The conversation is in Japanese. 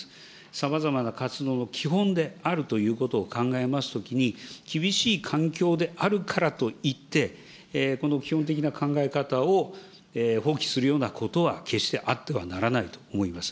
さまざまな活動の基本であるということを考えますときに、厳しい環境であるからといって、この基本的な考え方を放棄するようなことは、決してあってはならないと思います。